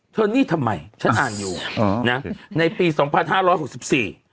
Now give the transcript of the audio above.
นี่ทำไมฉันอ่านอยู่อ๋อนะในปีสองพันห้าร้อยหกสิบสี่